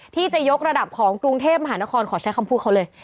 ที่จะยกระดับของกรุงเทพมหานครขอใช้คำพูดเขาเลย